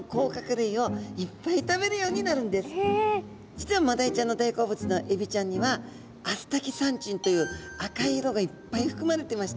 実はマダイちゃんの大好物のエビちゃんにはアスタキサンチンという赤い色がいっぱいふくまれてまして。